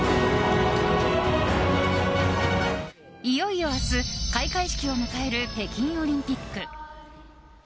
いよいよ明日開会式を迎える北京オリンピック。